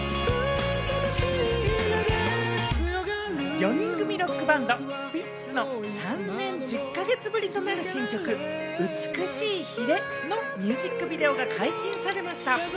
４人組ロックバンド・スピッツの３年１０か月ぶりとなる新曲、『美しい鰭』のミュージックビデオが解禁されました。